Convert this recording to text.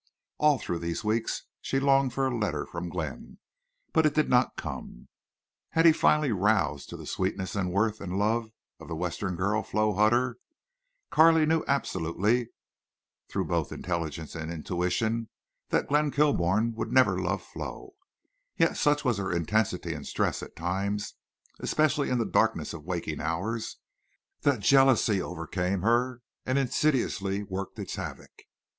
All through these weeks she longed for a letter from Glenn. But it did not come. Had he finally roused to the sweetness and worth and love of the western girl, Flo Hutter? Carley knew absolutely, through both intelligence and intuition, that Glenn Kilbourne would never love Flo. Yet such was her intensity and stress at times, especially in the darkness of waking hours, that jealousy overcame her and insidiously worked its havoc.